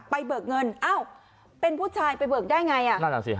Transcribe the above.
ไปเบิกเงินเป็นผู้ชายไปเบิกได้ไง